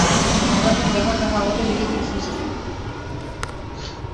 আমরা এখন যাহা, তাহা আমাদের নিজেদেরই সৃষ্টি।